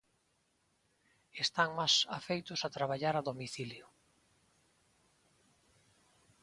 Están máis afeitos a traballar a domicilio.